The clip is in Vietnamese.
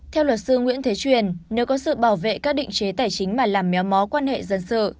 theo luật sư nguyễn thế truyền nếu có sự bảo vệ các định chế tài chính mà làm méo mó quan hệ dân sự